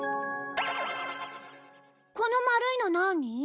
この丸いのなあに？